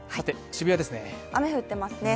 渋谷ですね。